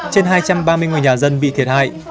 trên hai trăm ba mươi ngôi nhà dân bị thiệt hại